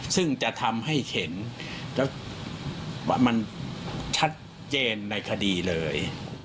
ซึ่งจะทำให้เห็นแล้วว่ามันชัดเจนในคดีเลย